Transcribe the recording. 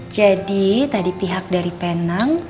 tadi pihak dari penang